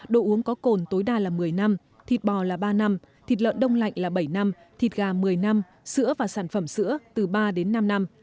độ uống có cồn tối đa là một mươi năm thịt bò là ba năm thịt lợn đông lạnh là bảy năm thịt gà một mươi năm sữa và sản phẩm sữa từ ba đến năm năm